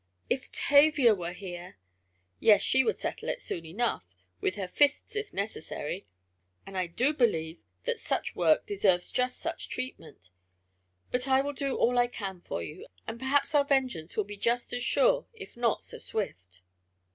"If Tavia were here " "Yes, she would settle it soon enough with her fists if necessary. And I do believe that such work deserves just such treatment. But I will do all I can for you, and perhaps our vengeance will be just as sure if not so swift!"